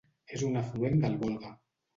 És un afluent del Volga.